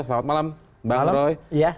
selamat malam bang roy